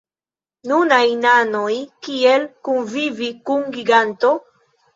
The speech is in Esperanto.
Nunaj nanoj: kiel kunvivi kun giganto?